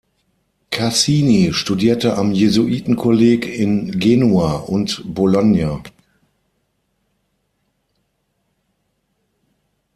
Cassini studierte am Jesuitenkolleg in Genua und Bologna.